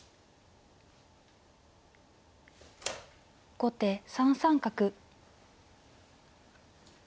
後手３三角。